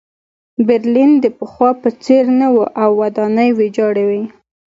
برلین د پخوا په څېر نه و او ودانۍ ویجاړې وې